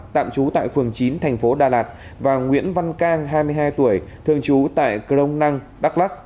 tạm trú tại phường chín tp đà lạt và nguyễn văn cang hai mươi hai tuổi thường trú tại công năng đắk lắc